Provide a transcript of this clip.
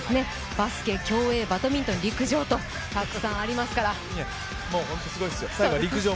バスケ、競泳、バドミントン陸上とたくさんありますから。